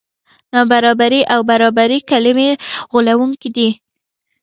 نابرابري او برابري کلمې غولوونکې دي.